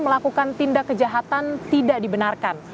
melakukan tindak kejahatan tidak dibenarkan